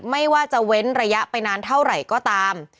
ไม่ว่าจะเว้นระยะไปนานเท่าไหร่ก็ตาม